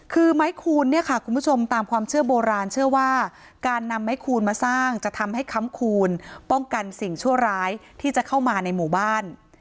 คือไม้คูณเนี่ยค่ะคุณผู้ชมตามความเชื่อโบราณเชื่อว่าการนำไม้คูณมาสร้างจะทำให้ค้ำคูณป้องกันสิ่งชั่วร้ายที่จะเข้ามาในหมู่บ้าน